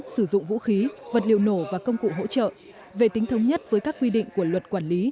sử dụng vũ khí vật liệu nổ và công cụ hỗ trợ về tính thống nhất với các quy định của luật quản lý